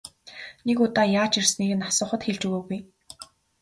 Нэг удаа яаж ирснийг нь асуухад хэлж өгөөгүй.